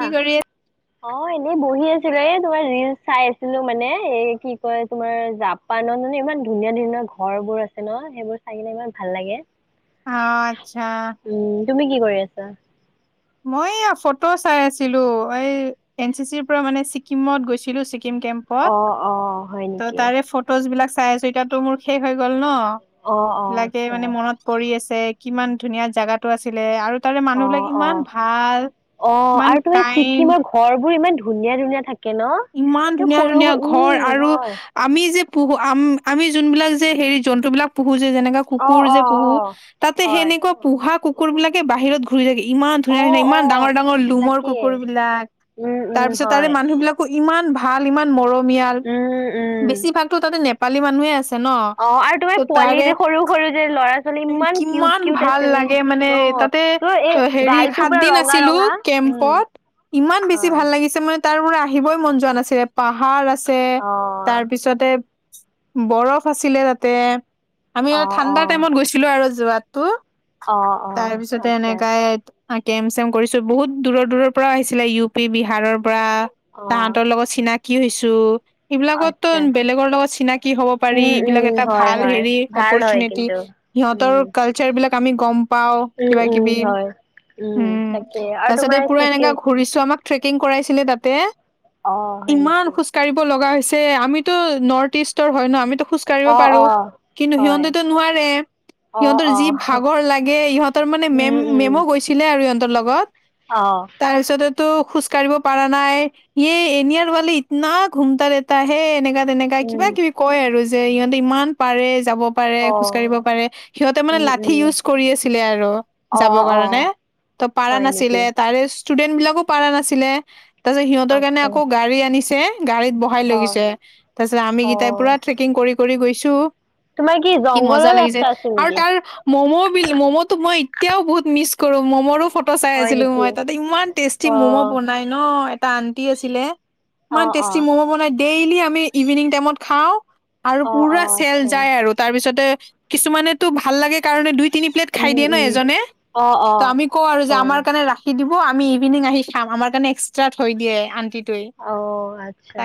কি আহ। কৰি অঁ, এনেই বহি আছিলোঁ এ তোমাৰ ৰিলচ চাই আছিলোঁ মানে এ কি কয় তোমাৰ জা পানৰ মানে ইমান ধুনীয়া ধুনীয়া ঘৰ বোৰ আছে ন, সেইবোৰ চাই কিনে ইমান ভাল লাগে। অঁ, আচ্ছা। উম, তুমি কি কৰি আছা? মই এয়া ফটো চাই আছিলো, এই এন চি চিৰ পৰা মানে ছিকিমত গৈছিলোঁ, ছিকিম কেম্পত অ অ হয় ত, ত' নেকি তাৰে ফটোজ বিলাক চাই আছো এতিয়াটো মোৰ শেষ হৈ গ'ল ন'। অ অ লাগে আচ্ছা মানে মনত পৰি আছে কিমান ধুনীয়া জাগাটো আছিলে আৰু তাৰে মানুহবিলাক ইমান ভাল অঁ, ইমান আৰু তুমি কাইণ্ড ছিকিমৰ ঘৰ বোৰ ইমান ধুনীয়া ধুনীয়া থা ইমান ধুনীয়া ধুনীয়া ঘৰ আৰু হয় আমি যে পুহো আম আমি যোনবিলাক যে হেৰি জন্তু বিলাক পুহো যে যেনেকা অ কুকুৰ অ যে অ পুহু তাতে হয় সেনেকুৱা পোহা কুকুৰ বিলাকে বাহিৰত ঘুৰি থাকে ইমান অ ধুনীয়া ধুনীয়া অ ইমান ডাঙৰ ডাঙৰ লুমৰ তাকে কুকুৰ বিলাক উম তাৰ উম পিছত তাৰে হয় মানুহ বিলাক ইমান ভাল ইমান মৰমীয়াল উম উম বেছি ভাগতো তাতে নেপালী মানুহে আছে। ন? অ আৰু তোমাৰ ত' পোৱালি তাৰে, যে সৰু সৰু যে ল'ৰা ছোৱালী ইমান কিউট কিমান কিউট ভাল আছিল লাগে মানে অ তাত তে তোৰ এই হেৰি গালটো সাত পুৰা দিন ৰঙা আছিলো ৰঙা উম কেম্পত, ইমান বেছি হয় ভাল লাগিছে মানে তাৰ পৰা আহিবই মন যোৱা নাছিলে, পাহাৰ আছে অ তাৰ পিছতে বৰফ আছিলে তাতে, আমি অ আৰু অ ঠাণ্ডা টাইমত গৈছিলো আৰু যোৱাতো। অ অ তাৰ পিছতে আচ্ছা এনেকায়ে আ, কেম্প-চেম্প কৰিছোঁ, বহুত দূৰৰ- দূৰৰ পৰাও আহিছিলে ইউ পি, বিহাৰৰ পৰা। অ তাহঁতৰ লগত চিনাকি হৈছোঁ। এইবিলাকতো আচ্ছা বেলেগৰ লগত চিনাকি হ'ব পাৰি, উম উম এইবিলাক এটা হয় ভাল হয় হেৰি ভাল হয় অপৰচুনেটি। কিন্তু সিহঁতৰ উম কালচাৰ বিলাক আমি গম পাও উম কিবা -কিবি, উম হয় উম তাকে আৰু তাৰছতে তোমাৰ পুৰা এনেকা ছিকিম ঘূৰিছো আমাক ট্ৰেকিং কৰাইছিলে তাতে। অ হয় ইমান নেকি খোজ কাঢ়িব লগা হৈছে, আমিতো নৰ্থ ইষ্টৰ হয় ন, আমিতো খোজ কাঢ়িব অ অ পাৰো কিন্তু হয় সিহঁতেতো নোৱাৰে অ সিহঁতৰ অ যি ভাগৰ লাগে ইহঁতৰ মানে মেম উম উম মেমো গৈছিলে আৰু ইহঁতৰ লগত। অ'। তাৰ পিছতেটো খোজ কাঢ়িব পাৰা নাই য়ে এনইয়াৰৱালে ইতনা ঘুমটা ৰেহটা হে এনেকা -তেনেকা উম কিবা -কিবি কয় আৰু যে ইহঁতি ইমান পাৰে যাব পাৰে, অ খোজকাঢ়িব পাৰে, সিহঁতে মানে উম লাঠি উম ইউজ কৰি আছিলে আৰু যাব অ', কাৰণে। অ', ত পাৰা হয় নেকি? নাছিলে তাৰে ষ্টুডেন্ট বিলাকো পাৰা নাছিলে, তাৰ পাছত সিহঁতৰ কাৰণে আচ্ছা আকৌ গাড়ী আনিছে, গাড়ীত বহাই লৈ অ', গৈছে। তাৰ পিছত আমি কেইটাই পুৰা অ'। ট্ৰেকিং কৰি কৰি গৈছো। তোমাৰ কি মজা জংঘলৰ লাগিছে, ৰাস্তা আছিল আৰু নেকি? তাৰ মম' বিল ম'ম' তো মই এতিয়াও বহুত মিছ কৰো ম'মৰো ফট ট' চাই হয় আছিলো নেকি? মই, তাতে ইমান টেষ্টি ম'ম' অ', বনাই ন, এটা আন্টি আছিলে ইমান অ', টেষ্টি অ'। ম'ম বনাই, ডেইলি আমি ইভিনিং টাইমত খাওঁ। আৰু অ', পুৰা অ', চেল আচ্ছা যায় আৰু তাৰপিছতে কিছুমানেতো ভাল লাগে কাৰণে দুই তিনি প্লেট খাই উম, দিয়ে ন উম, এজনে, অ', ত অ'। আমি কওঁ আৰু যে হয় আমাৰ কাৰণে ৰাখ খি দিব, আমি ইভিনিং আহি খাম। আমাৰ কাৰণে এক্সট্ৰা থৈ দিয়ে আণ্টি অ', আচ্ছা।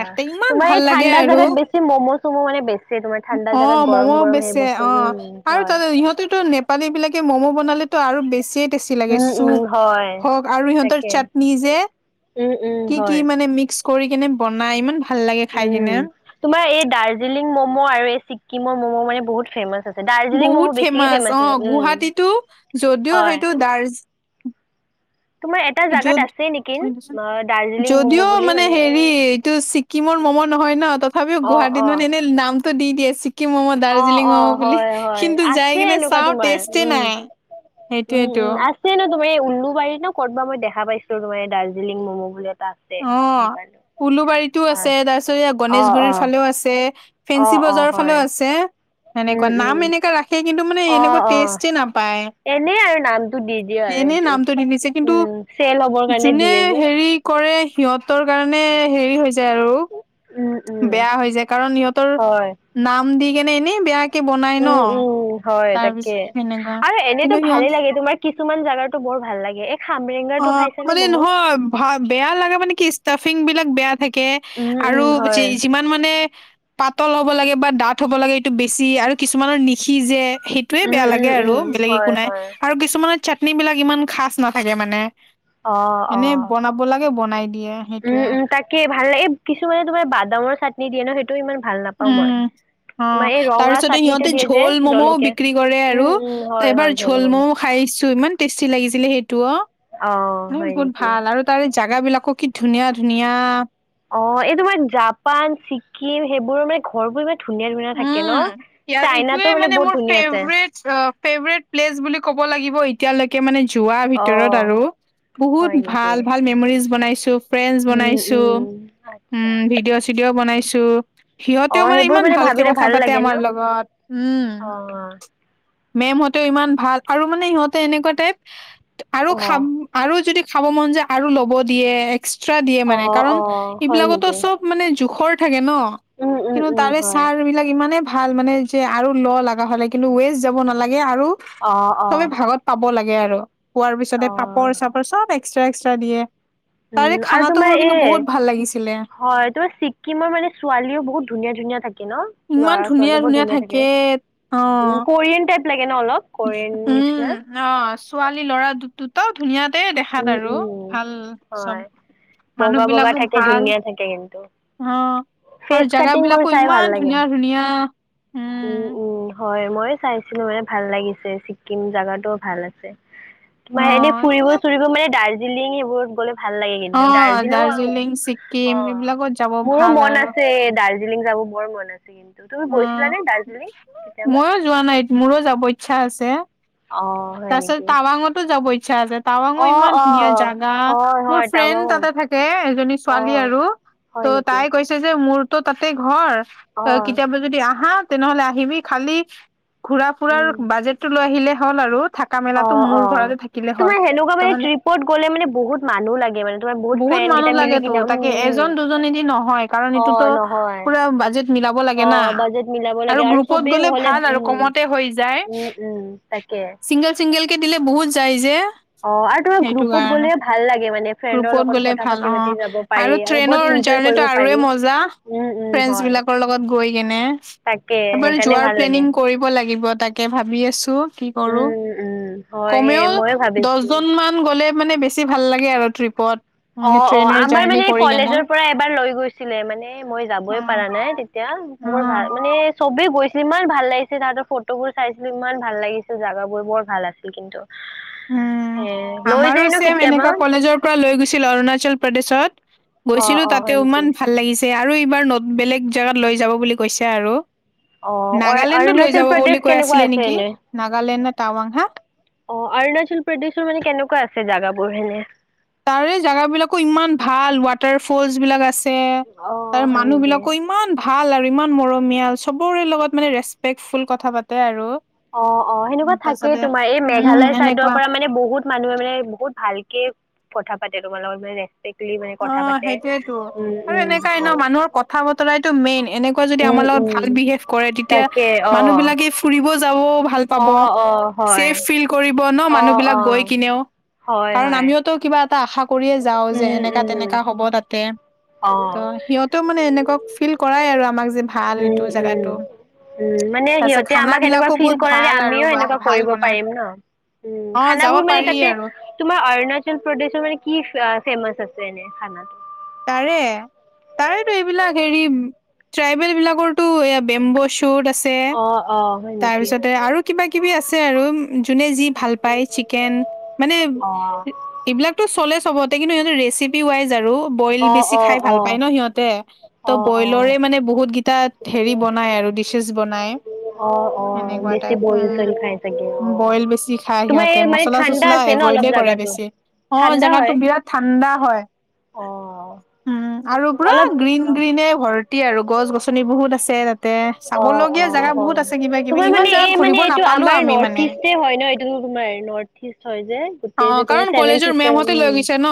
তোমাৰ ভাল এই লাগে ঠাণ্ডা আৰু জাগাত বেছি ম'ম' চমো মানে বেছি তোমাৰ ঠাণ্ডা জাগাত অ' ম'ম গৰম গৰম সেই বেচে বস্তু অ, উম। আৰু হয় তাত ইহঁতেতো নে পালী বিলাকে ম'ম' বনালেটো আৰু বেছিয়ে টেষ্টি লাগে উম, উম, চুপ হয় হওঁক, আৰু সিহঁতৰ তাকে চাটনি যে উম, উম। কি কি হয়। মানে মিক্স কৰি কিনে বনাই ইমান ভাল লাগে খাই উম কিনে। তোমাৰ এই দাৰ্জিলিং ম'ম' আৰু এই ছিক্কিমৰ ম'ম' মানে বহুত ফেমাচ আছে। দাৰ্জিলিং বহুত ম'মো বেছিয়ে অ', ফেমাচ আছে উম, গুৱাহাটীতো যদিও হয়। সেইটো দাৰ্জ তোমাৰ এটা জাগাত যদ আছে নেকি [unintelligible] দেচোন অ' দাৰ্জিলিং ম'ম' যদিও বুলি মানে এই হেৰি এইটো চি চিকিমৰ ম'ম নহয় ন, তথাপিও অ গুৱাহাটীত অ মানে এনে নামটো দি দিয়ে চি কিম ম'ম', অ দাৰ্জিলিং অ ম'ম' বুলি হয় হয় কিন্তু যাই আছে কিনে এনেকুৱা চাওঁ তোমাৰ টেষ্টে নাই। সেইটোয়েতো। এনে ন তুমি এই উলুবাৰী ন ক'তবা মই দেখা পাইছো তোমাৰ দাৰ্জিলিং ম'ম বুলি এটা আছে অ, দোকান উলুবাৰীতো হয় আছে তাৰপিছত এয়া অ অ গণেশগুৰিৰ ফালেও আছে। অ ফেঞ্চি অ বজাৰৰ হয় ফালেও আছে। উম সেনেকুৱা উম নাম এনেকা ৰাখ খে কিন্তু মানে এনেকুৱা টেষ্টে নাপায়। এনে আৰু নামটো দি দিয়ে আৰু এনেই সেইটো নামটো দি দিছে কিন্তু উম, চেল হ'বৰ কাৰণে যোনে দিয়ে যে। হেৰি কৰে সিহঁতৰ কাৰণে হেৰি হৈ যায় আৰু। উম। উম। বেয়া হৈ যায় কাৰণ সিহঁতৰ হয়, নাম দি কেনে এনেই বেয়া উম, উম, হয় তাকে সেনেকুৱা আৰু এনেতো কিন্তু সিহঁত ভালেই লাগে তোমাৰ কিছুমান জাগাৰতো বৰ ভাল লাগে। খামৰেংগাটো অ', খাইছানে মানে ম'ম'? নহয়। হয়, বেয়া লাগা মানে কি ষ্টাফিং বিলাক বেয়া থাকে উম, উম, আৰু হয়। যি-যিমান মানে পাতল হ'ব লাগে বা দাঠ হ'ব লাগে এইটো বেছি আৰু কিছুমানৰ নিশিজে সেই এটোয়ে উম, বেয়া লাগে উম, আৰু উম, বেলেগ একো হয়, নাই হয়, আৰু কিছুমানৰ চাটনি বিলাক ইমান খাচ নাথাকে মানে। অ', এনেই অ'। বনাব লাগে বনাই দিয়ে। উম সেইটোয়ে। উম, তাকে ভাল লাগে এই কিছুমানে তোমাৰ বাদামৰ চাটনি দিয়ে ন সেইটোও ইমান ভাল নাপাওঁ উম, মই। তোমাৰ এই অ' তাৰ ৰঙা পিছতে চাটনিটো সিহঁতে দিয়ে যে ঝোল ম'মও জলকীয়া। বিক্ৰী কৰে আৰু উম, উম, হয়, হয়, এবাৰ জল ঝোল ম'ম' খাইছোঁ‌ ইমান টেষ্টি লাগিছিলে সেইটোও। অ', হয় নেকি? ভাল আৰু তাৰে জাগাবিলাকো কি ধুনীয়া ধুনীয়া। অ', এই তোমাৰ জাপান ছিক্কিম সেইবোৰ মানে ঘৰবোৰ ইমান ধুনীয়া ধুনীয়া থাকে উম, ন, চাইনাতো মানে বহুত ধুনীয়া আছে। অ', ফেভৰেট প্লেচ বুলি ক'ব লাগিব এ এতিয়ালৈকে মানে যোৱা অ ভিতৰত আৰু বহুত হয় নেকি ভাল ভাল মেমৰিজ বনাইছোঁ‌। ফ্ৰেন্দছ উম বনাইছোঁ‌, উম উম আচ্ছা ভিডিঅ' চিডিঅ' বনাইছোঁ‌। অ সিহঁতেও মানে সেইবোৰ ইমান ভাল ভাবিলে ভাল লাগে ন? অ'। মেম হঁতেও ইমান ভাল, আৰু মানে ইহঁতে এনেকুৱা টাইপ আৰু অ খাম আৰু যদি খাব মন যায় আৰু ল'ব দিয়ে এক্সট্ৰা দিয়ে অ মানে কাৰণ অ হয় এইবিলাকতো নেকি চব মানে জোখৰ থাকে ন উম উম কিন্তু উম তাৰে হয় ছাৰবিলাক ইমানে ভাল মানে যে আৰু ল লগা হ'লে কিন্তু ৱেষ্ট যাব নালাগে আৰু অ অ চবে ভাগত পাব লাগে আৰু। পোৱাৰ পিছতে অ পাপৰ-চাপৰ চব এক্সট্ৰা এক্সট্ৰা দিয়ে। তাৰে উম আৰু খানাটো তোমাৰ মোৰ এ কিন্তু বহুত ভাল লাগিছিলে হয় তোমাৰ চি কিমৰ মানে ছোৱালীও বহুত ধুনীয়া ধুনীয়া থাকে ন? ল'ৰা-ছোৱালী বৰ ধুনীয়া থাকে, অ উম, কোৰিয়ান টাইপ লাগে ন অলপ? কোৰিয়ান উম, নিচিনা অ', ছোৱালী ল'ৰা দু দুটাও ধুনীয়াতে উম দেখাত আৰু উম ভাল হয় চব মানুহবিলাকো ভাল। তে কিন্তু। অ', আৰু ফেচ কাটিং বোৰ জাগাবিলাকো ইমান ধুনীয়া ধুনীয়া, উম। উম-উম। হয়, মই চাইছিলোঁ‌ মানে ভাল লাগিছে ছিক্কিম জাগাটো ভাল আছে। অ তোমাৰ এনেই ফুৰিব এইবিলাক চুৰিব মানে দাৰ্জিলিং এইবোৰত গ'লে ভাল লাগে কিন্তু অ', দাৰ্জিলিং, ছিকিম অ', এইবিলাকত যাব মোৰো ভাল মন আৰু আছে এ দাৰ জিলিং যাব বৰ মন আছে কিন্তু তুমি গৈ অ', ময়ো যোৱা নাই, মোৰো যাব ইচ্ছা আছে। অ হয় তাৰপিছত নেকি টাৱাংতো যাব ইচ্ছা আছে। টাৱাঙো অ ইমান অ ধুনীয়া জাগা, হয় মোৰ হয় ফ্ৰেণ্ড টাৱাং তাতে থাকে এজনী অ ছোৱালী আৰু। ত' হয় নেকি তাই কৈছে যে মোৰতো তাতে ঘৰ অ অ', কেতিয়াবা যদি আহা, তেনেহলে আহিবি খালি ঘুৰা-ফুুৰাৰ উম বাজেটটো লৈ আহিলে হ'ল আৰু, থাকা অ', মেলাত অ', তোমাৰ সেনেকুৱা মানে ট্ৰিপত গ'লে মানে বহুত মানুহ লাগে, মানে তোমাৰ বহুত ফ্ৰেণ্ড কেইটা মিলি টো কিনা উম, তাকে, এজন উম। দুজনেদি নহয়, কাৰণ এইটোতো অ', নহয়। পুৰা বাজেট মিলাব লা গে না, অ', বাজেট মিলাব আৰু লাগে গ্ৰুপত চবেই গ'লে হ'লে ভাল আৰু উম, কমতে হৈ যায়, উম, উম, তাকে। চিংগাল চিংগাল কে দিলে বহুত যায় যে। অ', আৰু তোমাৰ সেইটো গ্ৰুপত কাৰণে, গ'লে ভাল লাগে মানে ফ্ৰেণ্ডৰ গ্ৰুপত লগত গ'লে কথা ভাল পাতি অ', পাতি যাব পাৰি আৰু বহুত ট্ৰেইনৰ ইনজয় জাৰ্ণিটো কৰিব আৰুৱে পাৰি। মজা, উম, উম, হয়। ফ্ৰেণ্ডছবিলাকৰ লগত গৈ কিনে, তাকে এবাৰ সেইকাৰণে যোৱাৰ ভাল প্লেনিং লাগে। কৰিব লাগিব তাকে ভাবি আছোঁ, কি কৰোঁ, উম, উম, হয়, সেই কমেও ময়ো ভাবিছোঁ। দছজন মান গলে মানে বেছি ভাল লাগে আৰু ট্ৰিপত। উম অ', অ', ট্ৰেইনৰ আমাৰ জাৰ্ণি মানে কৰি কেনে কলেজৰ পৰা এবাৰ লৈ গৈছিলে, মানে মই যাবই পাৰা অ নাই তেতিয়া। আ বৰ অ ভাল মানে চবেই গৈছিল, ইমান ভাল লাগিছিল তাহাঁতৰ ফটোবোৰ চাইছিলোঁ ইমান ভাল লাগিছিল জাগাবোৰ, বৰ ভাল আছিল কিন্তু। উম, এ লৈ আমাৰো যায় ন ছেম কেতিয়াবা এনেকা কলেজৰ পৰা লৈ গৈছিল অৰুণাচল প্ৰদেশত। অ', গৈছিলোঁ অ', হয় তাতেও নেকি ইমান ভাল লাগিছ ছে, আৰু এইবাৰ ন' বেলেগ জেগাত লৈ যাব বুলি কৈছে আৰু। অ', নাগালেণ্ডত লৈ অৰুণাচল যাব প্ৰদেশ বুলি কৈ কেনেকুৱা আছিলে আছে নেকি, এনে নাগালেণ্ড নে টাৱাং, হা? অ', অৰুণাচল প্ৰদেশৰ মানে কেনেকুৱা আছে জাগাবোৰ এনে? তাৰে জাগাবিলাকো ইমান ভাল, ৱাটাৰ ফলছবিলাক আছ আছে, অ', তাৰ হয় নেকি মানুহবিলাকো ইমান ভাল আৰু ইমান মৰমীয়াল, চবৰে লগত মানে ৰেচপেক্টফুল কথা পাতে আৰু। অ', অ', সেনেকুৱা উম, থাকেই তাৰপিছতে তোমাৰ এই উম, মেঘালয় চাইডৰ এনেকুৱা পৰা মানে বহুত মানুহে মানে বহুত ভালকে কথা পাতে তোমাৰ লগত, মানে ৰিপেক্টলী মানে অ কথা পাতে, সেইটোয়েতো উম, আৰু উম, এনেকাই ন হয়। মানুহৰ কথা বতৰাইতো মেইন, এনেকুৱা যদি উম আমাৰ লগত ভাল উম বিহেভ কৰে, তেতিয়া তাকে অ মানুহবিলাকে ফুৰিব যাব ভাল পাব, অ অ হয় চেফ ফিল কৰিব ন' অ মানুহবিলাক অ গৈ কিনেও, হয় কাৰণ হয় আমিওতো কিবা এটা আশা কৰিয়ে যাওঁ, যে উম এনে উম হ'ব তাতে। অ ত' সিহঁতেও মানে এনেকুৱা ফিল কৰাই আৰু আমাক যে ভাল উম এইটো উম জাগাটো। উম, মানে সিহঁতে আমাক এনেকুৱা ফিল্ড বহুত কৰে, ভাল আৰু আমিও বাহ এনেকুৱা ভাল কৰিব বনাই পাৰিম ন'। উম, অ যাব খানাবোৰ মানে পাৰি তাতে আৰু তোমাৰ অৰুণাচল প্ৰদেশৰ মানে কি ফেমাচ আছে এনে খানা? তাৰে। তাৰেটো এইবিলাক হেৰি ট্ৰাইবেল বিলাকৰটো এই বেম্ব শ্বুট আ ছে, অ', অ', হয় নেকি? তাৰপিছতে আৰু কিবা-কিবি আছে আৰু, যোনে যি ভাল পায়, চিকেন, মানে অ', এইবিলাকতো চলে চবতে, কিন্তু সিহঁতে ৰেচিপি ৱাইজ আৰু। বইল অ', বেছি খাই অ', ভাল পাই অ'। ন' সিহঁতে, ত' অ', অ', বইলৰে মানে বহুত গি তাত হেৰি বনাই আৰু ডিছেছ বনাই। অ', অ', সেনেকুৱা বেছি টাইপ, বইল উম, চইল খাই চাগে অ'। বইল বেছি খাই তোমাৰ সিহঁতে, এই মানে ঠাণ্ডা মচলা-চচলা লা আছে ন অলপ এভইডে কৰে জাগাটো? বেছি, অ', ঠাণ্ডা জেগাতো হয় বিৰাট ঠাণ্ডা হয়। অ'। উম, আৰু পুৰা অলপ গ্ৰীণ-গ্ৰীনে ভৰ টি আৰু, গছ-গছনি বহুত আছে তাতে, অ', চাবলগীয়া অ', জেগা বহুত হয়। আছে, কিবা-কিবি, তোমাৰ ইমান মানে জেগাত এই মানে ঘূৰিব এইটো নাপালোঁ আমাৰ আমি। নৰ্থ মানে। ইষ্টে হয় ন' এইটো তোমাৰ নৰ্থ ইষ্ট হয় যে। অ, গোটেই যে তোমাৰ কাৰণ ছেভেন কলেজৰ চিষ্টাৰ মেমহতে লৈ উম, গৈছে ন।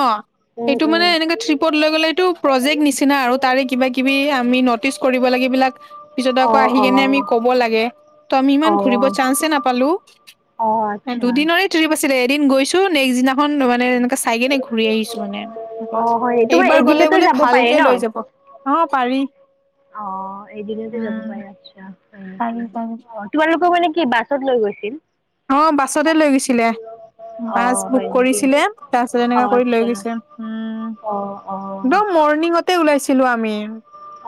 উম, সেইটো উম, মানে এনেকে ট্ৰিপত লৈ গ'লে, এইটো প্ৰজেক্ট নিচিনা আৰু, তাৰে কিবা-কিবি আমি ন'টিচ কৰিব লাগে এইবিলাক। পিছত আকৌ অ', আহি কেনে আমি অ'। ক'ব লাগে, ত' আমি ইমান ঘুৰিব অ', চান্সে নাপালোঁ। অ', আচ্ছা। দুদিনৰে ট্ৰিপ আছিলে, এদিন গৈছো, নেক্সট দিনাখন মানে এ চাই কিনে ঘূৰি আহিছো মানে, অ', হয় তোমাৰ এইবাৰ গ'লে এদিনতে বোলে যাব পাৰি ভালকে লৈ যাব। অ, পাৰি। অ, এদিনতে যাব উম, পাৰে, আচ্ছা পাৰি পাৰি। [unintelligible] তোমালোকক মানে কি বাছত লৈ গৈছিল? অ, বাছতে লৈ গৈছিলে। বাছ অঁ বুক হয় নেকি কৰিছিলে, তাৰপিছত এনেকা অঁ কৰি লৈ আচ্ছা গৈছে, উম। অঁ অঁ একদম মৰ্ণিঙতে ওলাইছিলো আমি।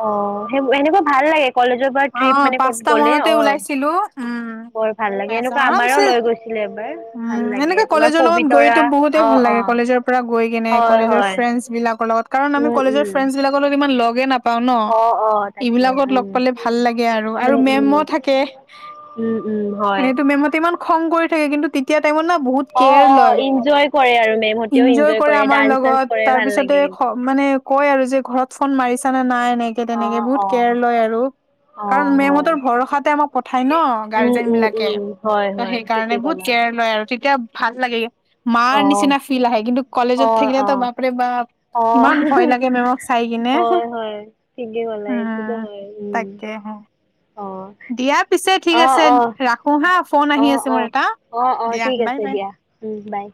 অ, সে-সেনেকুৱা ভাল লাগে, কলেজত অ, পাঁচটা মানতে ওলাইছিলোঁ। উম, বৰ ভাল লাগে এনেকুৱা আমাৰো আৰামছে লৈ গৈছিলে এবাৰ ভাল উম, লাগে এনেকা তোমাৰ কলেজৰ লগত গৈ পবিতৰা তো বহুতেই অঁ ভাল লাগে, অঁ কলেজৰ পৰা গৈ কিনে, হয় কলেজৰ হয় ফ্ৰেণ্ডচ বিলাকৰ লগত, কাৰণ আমি কলেজৰ ফ্ৰেণ্ডচ বিলাকৰ লগত ইমান লগে নাপাওঁ ন, অঁ অঁ তাকে এইবিলাকত লগ পালে ভাল লাগে আৰু। উম আৰু উম মেম' উম থাকে, উম উম হয় এনেই টো মেমহতে ইমান খং কৰি থাকে, কিন্তু তেতিয়া টাইমত না বহুত অঁ কেয়াৰ অঁ লয়। ইনজয় কৰে আৰু মেমহঁতেও এনজয় ইনজয় কৰে আমাৰ ডান্স চান্স লগত, কৰে তাৰ ভাল পিছতে লাগে কিন্তু [unintelligible] মানে কয় আৰু যে, ঘৰত ফোন মাৰিছা নে নাই? এনেকে-তেনেকে অ', বহুত কেয়াৰ অ', লয় আৰু। কাৰণ অ', হয়। মেমহতৰ ভৰসাতে আমাক পঠায় ন, উম, গাৰ্জেন উম, বিলাকে। উম, হয়, ত', হয়, ঠিকে সেইকাৰণে বহুত ক'লা। কেয়াৰ লয় আৰু, তেতিয়া ভাল লাগে। মাৰ অ', নিচিনা ফিল্ড আহে, কিন্তু কলেজত অ', থাকিলেতো অ', বাপৰে-বাপ অ', ইমান ভয় লাগে মেমক চাই কিনে। হয়, হয়, ঠিকে ক'লা এইটোতো উম, হয়, উম। তাকে। [unintelligible] অ', দিয়া পিছে, ঠিক অ', আছে, অ', ৰাখো হা, ফোন আহি অ', আছে মোৰ অ', এটা। অ', অ', দিয়া ঠিক আছে বাই-বাই। দিয়া, উম, বাই।